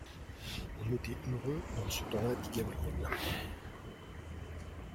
On était heureux dans ce temps-là, dit Gabrielle.